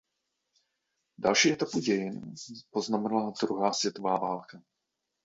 Další etapu dějin poznamenala druhá světová válka.